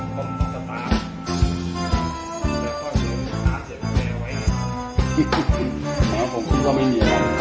ก่อนจะมาที่ขึ้นรถอีกนิดนึง